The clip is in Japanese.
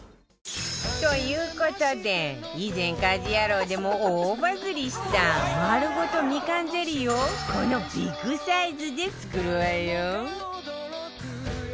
という事で以前『家事ヤロウ！！！』でも大バズリした丸ごとみかんゼリーをこのビッグサイズで作るわよ